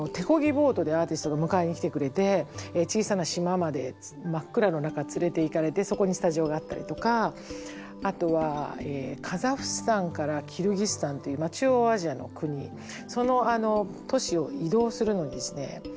ボートでアーティストが迎えに来てくれて小さな島まで真っ暗の中連れていかれてそこにスタジオがあったりとかあとはカザフスタンからキルギスタンという中央アジアの国その都市を移動するのにですね